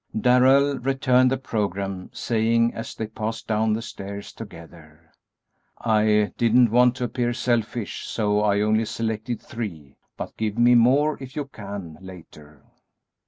Darrell returned the programme, saying, as they passed down the stairs together, "I didn't want to appear selfish, so I only selected three, but give me more if you can, later."